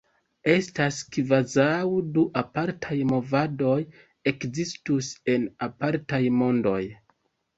Estas kvazaŭ du apartaj movadoj ekzistus en apartaj mondoj.